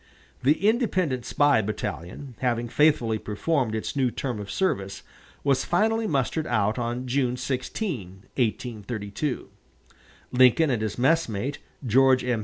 The Independent Spy Battalion, having faithfully performed its new term of service, was finally mustered out on June 16, 1832. Lincoln and his messmate, George M.